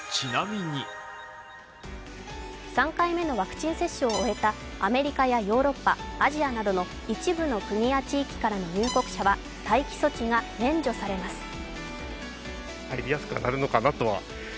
３回目のワクチン接種を終えたアメリカやヨーロッパアジアなどの一部の国や地域からの入国者は待機措置が免除されます。